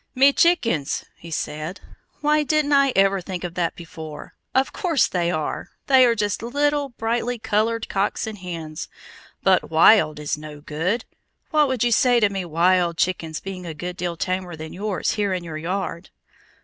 "Me chickens!" he said. "Why didn't I ever think of that before? Of course they are! They are just little, brightly colored cocks and hens! But 'wild' is no good. What would you say to me 'wild chickens' being a good deal tamer than yours here in your yard?"